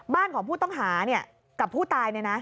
บ้านของผู้ต้องหากับผู้ตายเนี่ยนะ